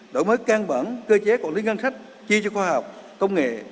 đổi mới căng bẳng cơ chế quản lý ngăn sách chi cho khoa học công nghệ